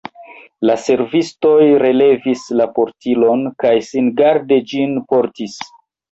La servistoj relevis la portilon kaj singarde ĝin portis.